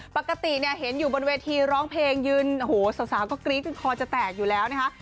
ปกติเนี่ยเห็นอยู่บนเวทีร้องเพลงยืนโอ้โหสาวก็กรี๊ดจนคอจะแตกอยู่แล้วนะคะ